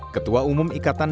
ketua umum ikatan pembangunan